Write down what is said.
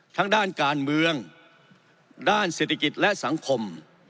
ทั้งด้านการเมืองด้านเศรษฐกิจและสังคม